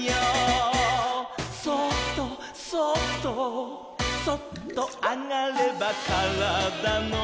「そっとそっとそっとあがればからだの」